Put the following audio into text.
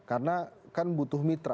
karena kan butuh mitra